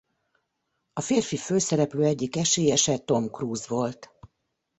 A férfi főszereplő egyik esélyese Tom Cruise volt.